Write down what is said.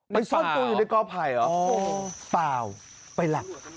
ซ่อนตัวอยู่ในกอไผ่เหรอเปล่าไปหลับ